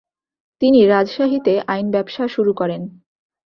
তিনি রাজশাহীতে আইন ব্যবসা শুরু করেন।